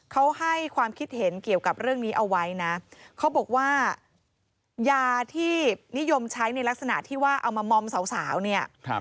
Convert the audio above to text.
เขาให้ความคิดเห็นเกี่ยวกับเรื่องนี้เอาไว้นะเขาบอกว่ายาที่นิยมใช้ในลักษณะที่ว่าเอามามอมสาวเนี่ย